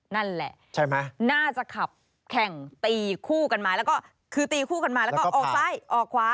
นั่นแหละใช่ไหมน่าจะขับแข่งตีคู่กันมาแล้วก็คือตีคู่กันมาแล้วก็ออกซ้ายออกขวา